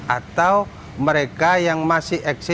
atau mereka yang masih eksis ingin berusaha dibuat